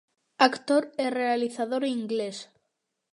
Actor e realizador inglés.